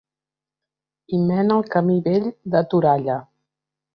Hi mena el Camí Vell de Toralla.